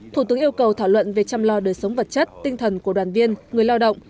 thủ tướng yêu cầu thảo luận về chăm lo đời sống vật chất tinh thần của đoàn viên người lao động